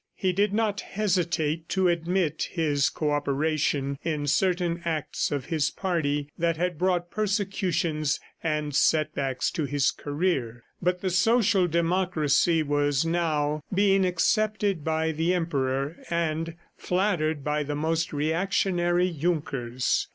He did not hesitate to admit his co operation in certain acts of his party that had brought persecutions and set backs to his career. But the Social Democracy was now being accepted by the Emperor and flattered by the most reactionary Junkers.